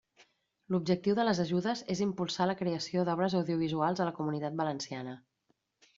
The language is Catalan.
L'objectiu de les ajudes és impulsar la creació d'obres audiovisuals a la Comunitat Valenciana.